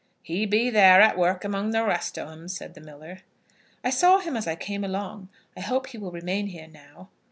"He be there, at work among the rest o' 'em," said the miller. "I saw him as I came along. I hope he will remain here now."